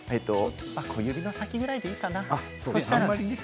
小指の先ぐらいでいいかな？